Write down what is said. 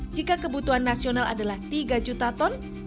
jika kebutuhan nasional adalah tiga juta ton